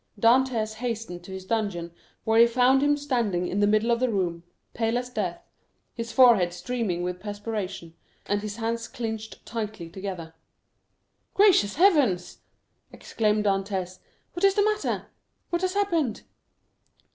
Dantès hastened to his dungeon, where he found him standing in the middle of the room, pale as death, his forehead streaming with perspiration, and his hands clenched tightly together. "Gracious heavens!" exclaimed Dantès, "what is the matter? what has happened?"